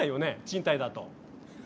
賃貸だと。